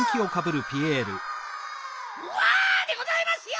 わあでございますよ！